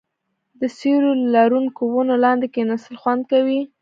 د سیوري لرونکو ونو لاندې کیناستل خوند کوي.